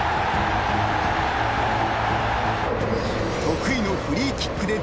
［得意のフリーキックで］